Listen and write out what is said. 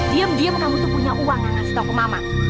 diem diem kamu tuh punya uang gak kasih tahu ke mama